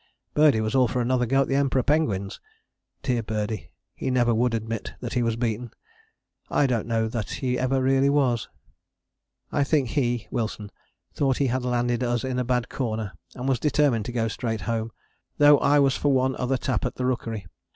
Birdie was all for another go at the Emperor penguins. Dear Birdie, he never would admit that he was beaten I don't know that he ever really was! "I think he (Wilson) thought he had landed us in a bad corner and was determined to go straight home, though I was for one other tap at the Rookery.